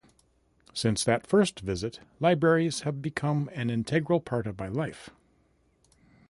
Since that first visit, libraries have become an integral part of my life.